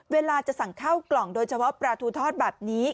เวลาจะสั่งข้าวกล่องโดยเฉพาะปลาทูทอดแบบนี้